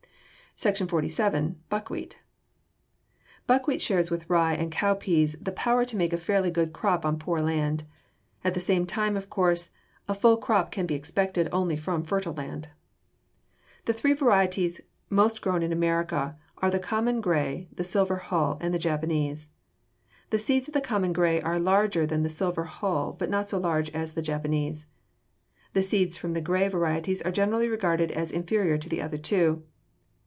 SECTION XLVII. BUCKWHEAT Buckwheat shares with rye and cowpeas the power to make a fairly good crop on poor land. At the same time, of course, a full crop can be expected only from fertile land. The three varieties most grown in America are the common gray, the silver hull, and the Japanese. The seeds of the common gray are larger than the silver hull, but not so large as the Japanese. The seeds from the gray variety are generally regarded as inferior to the other two.